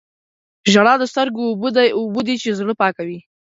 • ژړا د سترګو اوبه دي چې زړه پاکوي.